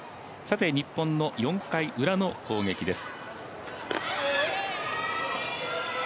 日本の４回ウラの攻撃です。